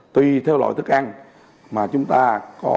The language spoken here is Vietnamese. tuy theo loại thức ăn mà chúng ta có